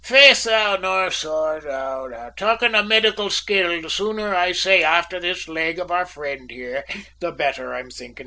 "Faith, though, sor, talkin' of medical skill, the sooner I say afther that leg of our fri'nd here, the better, I'm thinkin'."